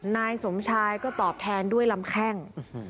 นายสมชายก็ตอบแทนด้วยลำแข้ง